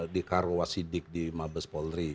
di karwasidik di mabes polri